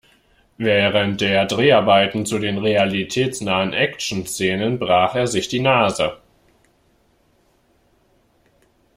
Während der Dreharbeiten zu den realitätsnahen Actionszenen brach er sich die Nase.